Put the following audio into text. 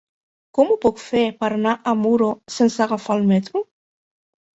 Com ho puc fer per anar a Muro sense agafar el metro?